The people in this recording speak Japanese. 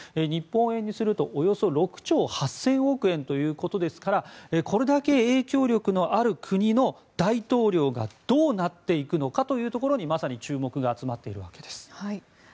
日本円にするとおよそ６兆８０００億円ということですからこれだけ影響力のある国の大統領がどうなっていくのかまさに注目が集まっています。